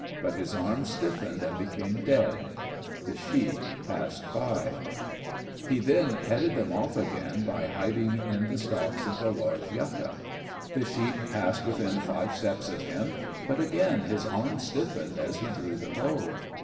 But his arm stiffened and became dead. The sheep passed by. He headed them off again by hiding in the stalks of a large yucca. The sheep passed within five steps of him, but again his arm stiffened as he drew the bow.